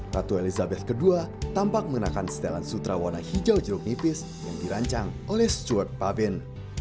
ratu elizabeth ii tampak mengenakan setelan sutra warna hijau jeruk nipis yang dirancang oleh struk pavin